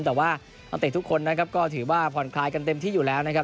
แต่ว่านักเตะทุกคนนะครับก็ถือว่าผ่อนคลายกันเต็มที่อยู่แล้วนะครับ